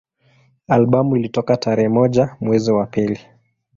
Albamu ilitoka tarehe moja mwezi wa pili